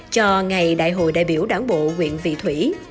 cho ngày đại hội đại biểu đảng bộ nguyện vị thủy